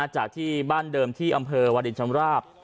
จากที่บ้านเดิมที่อำเภอวาดินชำราบ